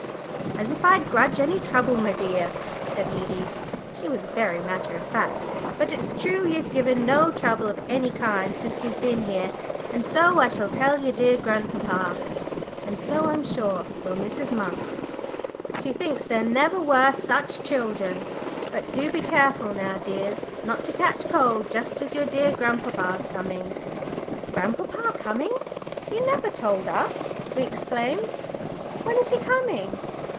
"As if I'd grudge any trouble, my dear," said Liddy she was very matter of fact. "But it's true you've given no trouble of any kind since you've been here, and so I shall tell your dear grandpapa and so, I'm sure, will Mrs. Munt. She thinks there never were such children. But do be careful now, dears, not to catch cold just as your dear grandpapa's coming?" "Grandpapa coming! You never told us," we exclaimed. "When is he coming?"